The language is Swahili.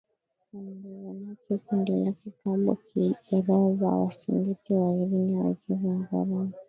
Wazanaki kundi lake Kabwa Kirobha Wasimbiti Wairienyi Waikizu Wangoreme